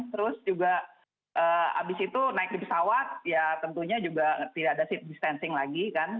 terus juga abis itu naik di pesawat ya tentunya juga tidak ada seat distancing lagi kan